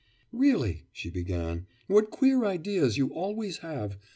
'Really,' she began, 'what queer ideas you always have!